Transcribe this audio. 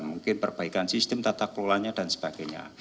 mungkin perbaikan sistem tata kelolanya dan sebagainya